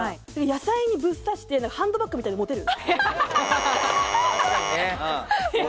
野菜にぶっ刺してハンドバッグみたいに持てる。